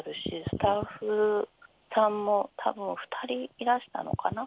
スタッフさんもたぶん２人いらしたのかな？